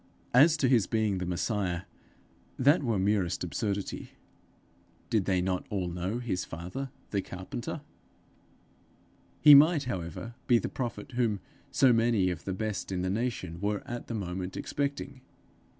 As to his being the Messiah, that was merest absurdity: did they not all know his father, the carpenter? He might, however, be the prophet whom so many of the best in the nation were at the moment expecting!